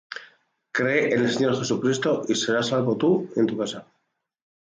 Cree en el Señor Jesucristo, y serás salvo tú, y tu casa.